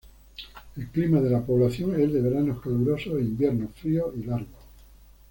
El clima de la población es de veranos calurosos e inviernos fríos y largos.